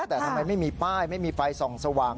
แต่ทำไมไม่มีป้ายไม่มีไฟส่องสว่าง